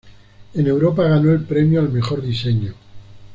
En Europa, ganó el premio al "Mejor Diseño".